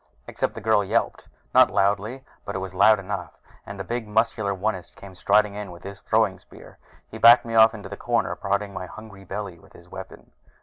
Except that the girl yelped. Not loudly, but it was loud enough, and a big muscular Onist came striding in with his throwing spear. He backed me off into a corner, prodding my hungry belly with his weapon.